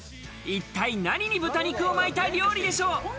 一体何に豚肉を巻いた料理でしょう。